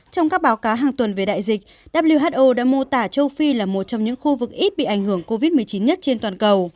trong các báo cáo hàng tuần về đại dịch who đã mô tả châu phi là một trong những khu vực ít bị ảnh hưởng covid một mươi chín nhất trên toàn cầu